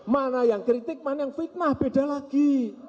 mana yang kritik mana yang fitnah beda lagi